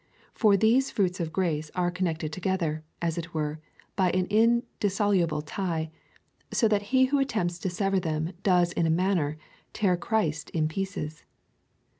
For these fi uits of grace are connected together, as it were, by an indissoluble tie,^ so that he who attempts to sever them does in a manner tear Christ in pieces.